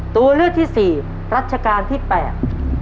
ตัวเลือกที่สี่รัชกาลที่แปด